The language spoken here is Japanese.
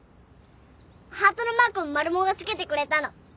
ハートのマークもマルモが付けてくれたの。